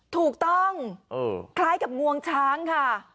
ถูกต้องคล้ายกับงวงช้างค่ะ